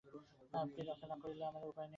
আপনি রক্ষা না করিলে আমার আর উপায় নাই।